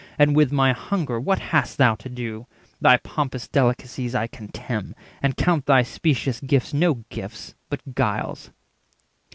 And with my hunger what hast thou to do? Thy pompous delicacies I contemn, 390 And count thy specious gifts no gifts, but guiles."